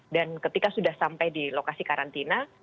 dan ketika sudah sampai di lokasi karantina